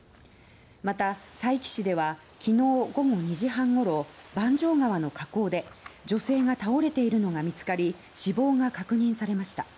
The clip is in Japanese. また佐伯市ではきのう午後２時半ごろ番匠川の河口で女性が倒れているのが見つかり死亡が確認されました。